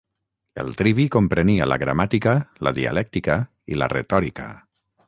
El trivi comprenia la gramàtica, la dialèctica i la retòrica.